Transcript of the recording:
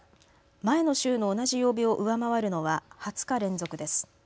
前の週の同じ曜日を上回るのは２０日連続です。